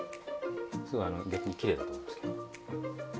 すごい逆にきれいだと思いますけど。